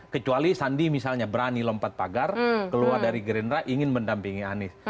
kecuali sandi misalnya berani lompat pagar keluar dari gerindra ingin mendampingi anies